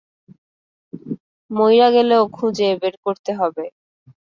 মইরা গেলেও খুঁজে, বের করতে হবে।